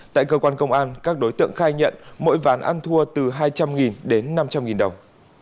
tại cơ quan công an các đối tượng khai nhận mỗi ván ăn thua từ hai trăm linh đến năm trăm linh đồng